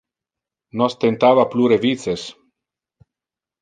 Nos tentava plure vices.